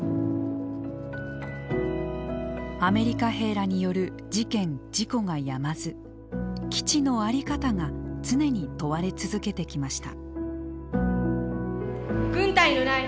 アメリカ兵らによる事件事故がやまず基地の在り方が常に問われ続けてきました。